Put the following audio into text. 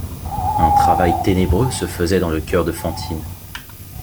Un travail ténébreux se faisait dans le cœur de Fantine.